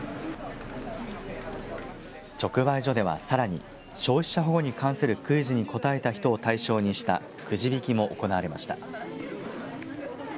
直売所ではさらに消費者保護に関するクイズに答えた人を対象にしたくじ引きも行われました。